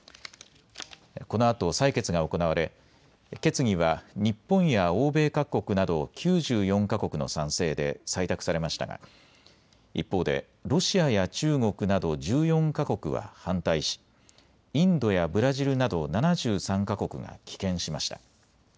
このあと採決が行われ決議は日本や欧米各国などを９４か国の賛成で採択されましたが一方でロシアや中国など１４か国は反対しインドやブラジルなど７３か国が棄権しました。